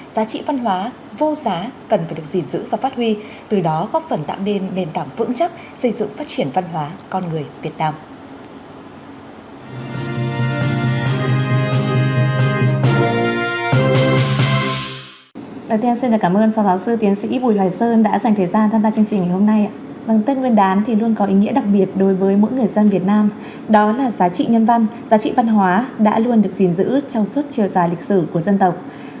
giá trị nhân văn giá trị văn hóa đã luôn được gìn giữ trong suốt chiều dài lịch sử của dân tộc